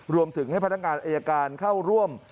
รวมถึงให้พนักงานอายการเข้าร่วม